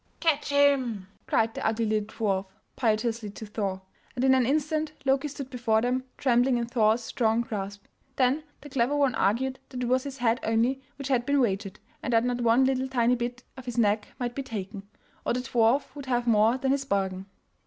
"Catch him!" cried the ugly little dwarf piteously to Thor, and in an instant Loki stood before them, trembling in Thor's strong grasp. Then the clever one argued that it was his head only which had been wagered, and that not one little tiny bit of his neck might be taken, or the dwarf would have more than his bargain.